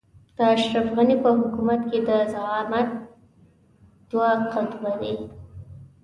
د اشرف غني په حکومت کې د زعامت دوه قطبه دي.